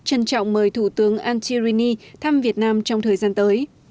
trân trọng mời thủ tướng antti rini thăm việt nam trong thời gian tới